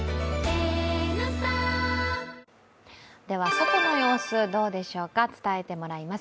外の様子どうでしょうか、伝えてもらいます。